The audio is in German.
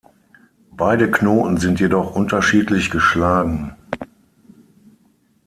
Beide Knoten sind jedoch unterschiedlich geschlagen.